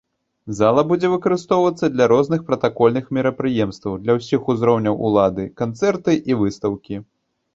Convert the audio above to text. Зала будзе выкарыстоўвацца для розных пратакольных мерапрыемстваў для ўсіх узроўняў улады, канцэрты і выстаўкі.